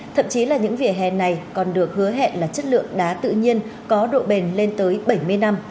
thậm chí là những vỉa hè này còn được hứa hẹn là chất lượng đá tự nhiên có độ bền lên tới bảy mươi năm